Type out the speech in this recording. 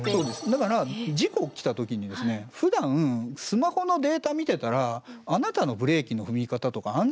だから事故起きた時にですねふだんスマホのデータ見てたらあなたのブレーキの踏み方とか安全ですよねと。